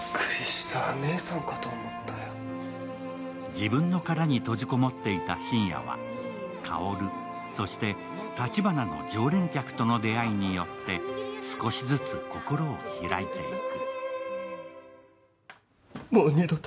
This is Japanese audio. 自分の殻に閉じこもっていた信也は、香、そしてたちばなの常連客との出会いによって少しずつ心を開いていく。